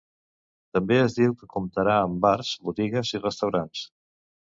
També es diu que comptarà amb bars, botigues i restaurants.